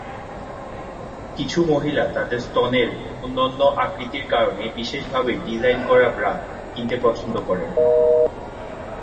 কিছু মহিলা তাদের স্তনের অনন্য আকৃতির কারণে বিশেষভাবে ডিজাইন করা ব্রা কিনতে পছন্দ করেন।